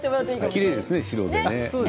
きれいですね白で。